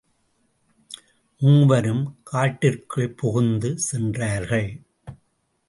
மூவரும் காட்டிற்குள் புகுந்து சென்றார்கள்.